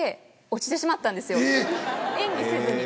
演技せずに。